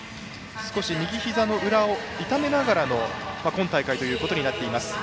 少し右ひざのうらを痛めながらの今大会となっています。